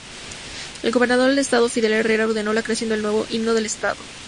El Gobernador del estado, Fidel Herrera, ordenó la creación del nuevo himno del estado.